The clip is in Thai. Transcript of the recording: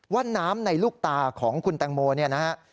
ว่าน้ำในลูกตาของคุณแตงโมเนี่ยนะฮะ